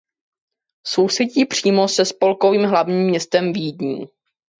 Sousedí přímo se spolkovým hlavním městem Vídní.